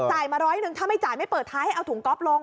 มาร้อยหนึ่งถ้าไม่จ่ายไม่เปิดท้ายให้เอาถุงก๊อฟลง